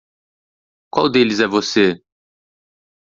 Qual deles é você?